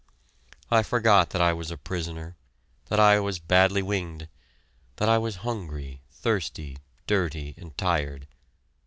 I forgot that I was a prisoner, that I was badly winged, that I was hungry, thirsty, dirty, and tired.